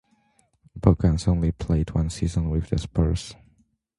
Bogans only played one season with the Spurs.